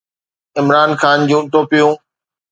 عمران خان جون ٽوپيون